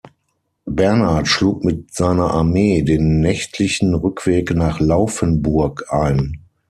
Bernhard schlug mit seiner Armee den nächtlichen Rückweg nach Laufenburg ein.